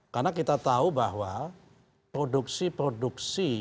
karena kita tahu bahwa produksi produksi